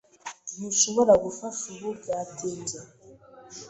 Ntushobora gufasha ubu. Byatinze.